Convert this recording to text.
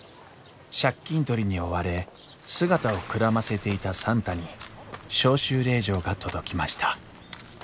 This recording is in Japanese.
借金取りに追われ姿をくらませていた算太に召集令状が届きました